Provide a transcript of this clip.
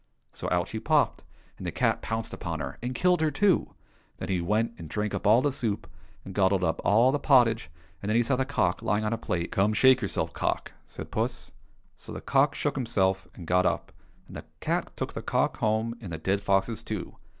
So out she popped, and the cat pounced upon her, and killed her too. Then he went and drank up all the soup, and gobbled up all the pottage, and then he saw the cock lying on a plate. " Come, shake yourself, cock !" said puss. So the cock shook him self, and got up, and the cat took the cock home, and the dead foxes too.